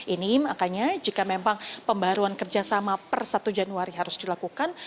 ini makanya jika memang pembaruan kerjasama per satu januari harus dilakukan